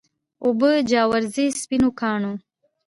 اوبه جاروزي تر سپینو کاڼو